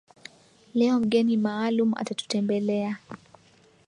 Leo mgeni maalum atatutembelea